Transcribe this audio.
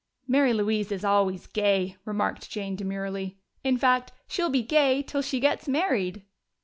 "Mary Louise is always 'Gay,'" remarked Jane demurely. "In fact, she'll be 'Gay' till she gets married."